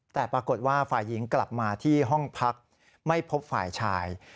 แต่ปรากฏว่าฝ่ายหญิงกลับมาที่ห้องพักไม่พบฝ่ายชาย